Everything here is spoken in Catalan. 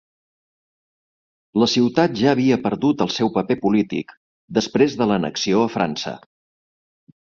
La ciutat ja havia perdut el seu paper polític després de l'annexió a França.